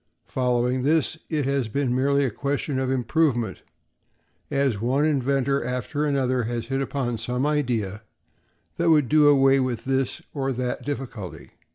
Following this, it has been merely a question of improvement, as one inventor after another has hit upon some idea that would do away with this or that difficulty.